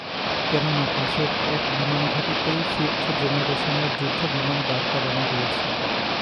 কেননা পাশের এক বিমানঘাঁটিতেই ফিফথ জেনারেশনের যুদ্ধ বিমান দাঁড় করানো রয়েছে।